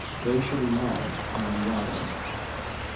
They shall be mine. I am Yahweh."